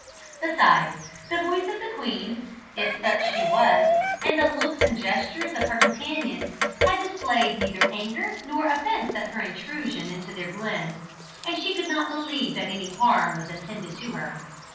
Besides, the voice of the queen (if such she was), and the looks and gestures of her companions, had displayed neither anger nor offence at her intrusion into their glen, and she could not believe that any harm was intended to her.